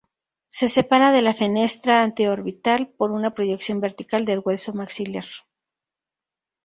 Se separa de la fenestra anteorbital por una proyección vertical del hueso maxilar.